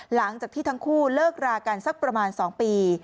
หลังจากที่ทั้งคู่เลิกรากันสักประมาณ๒ปี